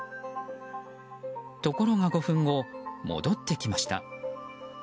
ところが５分後、戻ってきました。